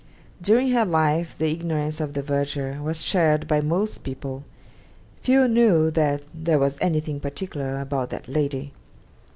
During her life the ignorance of the verger was shared by most people; few knew that 'there was anything particular about that lady.'